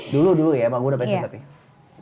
dulu dulu ya mah gue udah pencet tapi